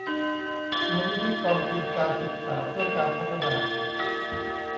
มูลนิธิกองทุนการศึกษาเพื่อการพัฒนา